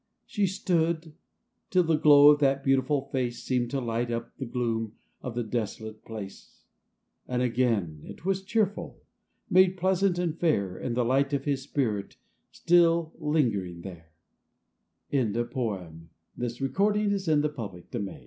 She stood, till the glow of that beautiful face Seemed to light up the gloom of the desolate place ; And again it was cheerful; made pleasant and fair, In the light of his spirit still lingering there. THE